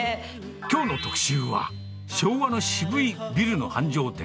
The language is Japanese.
きょうの特集は、昭和の渋いビルの繁盛店。